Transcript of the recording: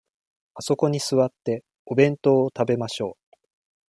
あそこに座って、お弁当を食べましょう。